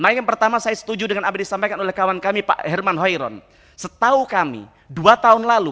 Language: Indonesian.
nah yang pertama saya setuju dengan apa yang disampaikan oleh kawan kami pak herman hoiron setahu kami dua tahun lalu